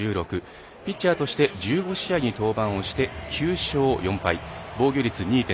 ピッチャーとして１５試合に登板して９勝４敗、防御率２．３８。